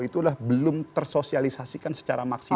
itu adalah belum tersosialisasikan secara maksimal